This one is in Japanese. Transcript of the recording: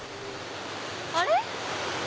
あれ？